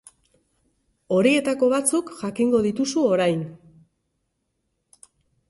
Horietako batzuk jakingo dituzu orain.